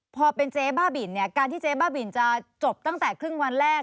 พอเป็นเจ๊บ้าบินเนี่ยการที่เจ๊บ้าบินจะจบตั้งแต่ครึ่งวันแรก